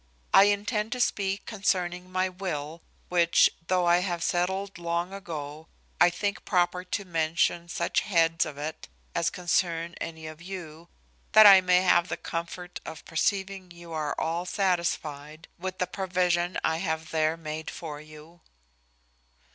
I intended to speak concerning my will, which, though I have settled long ago, I think proper to mention such heads of it as concern any of you, that I may have the comfort of perceiving you are all satisfied with the provision I have there made for you.